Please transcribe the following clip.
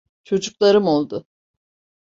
Çocuklarım oldu.